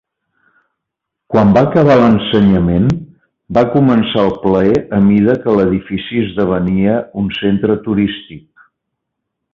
Quan va acabar l'ensenyament, va començar el plaer a mida que l'edifici esdevenia un centre turístic.